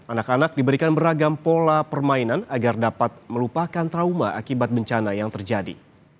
anak anak diberikan beragam pola permainan agar dapat melupakan trauma akibat bencana yang terjadi